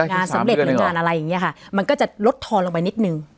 งานสำเร็จหรืองานอะไรอย่างนี้ค่ะมันก็จะลดทอนลงไปนิดนึง